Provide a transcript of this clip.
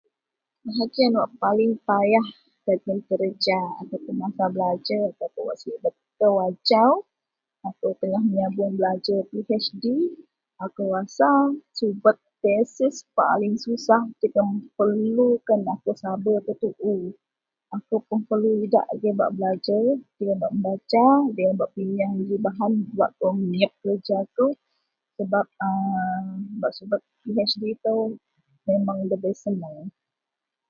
Bahagian wak paling payah dagen kereja ataupun masa belajer ataupun wak sibet kou ajau, akou tengah menyabuong belajer pigek PhD. Akou rasa subet tesis paling susah jegem perelukan akou saber tuu-tuu, Akou pun perelu idak agei bak belajer jegem bak membaca jegem bak pinyeang ji bahan bak kou menyiep kereja kou sebab a bak subet PhD itou memang ndabei seneng.